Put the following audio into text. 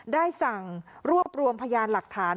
ได้สั่งรวบรวมพยานหลักฐาน